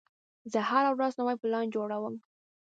زه هره ورځ نوی پلان جوړوم.